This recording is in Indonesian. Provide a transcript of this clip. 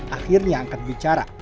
akhirnya angkat bicara